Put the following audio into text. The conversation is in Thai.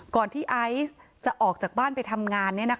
ก่อนที่ไอซ์จะออกจากบ้านไปทำงาน